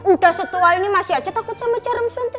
udah setuh ini masih aja takut sama jarum suntik